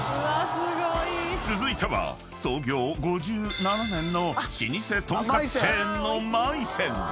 ［続いては創業５７年の老舗豚カツチェーンの］